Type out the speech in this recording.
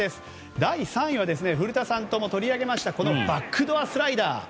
第３位は古田さんとも取り上げたバックドアスライダー。